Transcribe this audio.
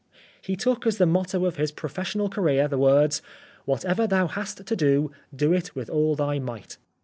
He took as the motto of his professional career, the words :" Whatever thou hast to do, do it with all thy might."